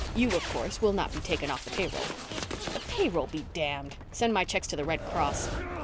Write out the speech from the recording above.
You, of course, will not be taken off the payroll." "The payroll be damned. Send my checks to the Red Cross!"